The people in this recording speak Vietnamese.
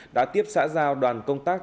đã tiếp xã giao đoàn công tác